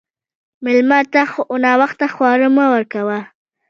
مېلمه ته ناوخته خواړه مه ورکوه.